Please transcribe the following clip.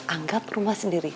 anggap rumah sendiri